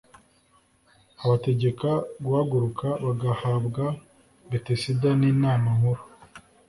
Abategeka guhaguruka bagahabwa Betesida n'inama nkuru